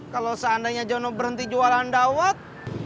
kalau seandainya jono berhenti jualan dawet